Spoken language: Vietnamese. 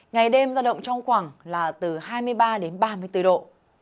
ngày đêm giao động trong khoảng là từ hai mươi ba đến ba mươi bốn độ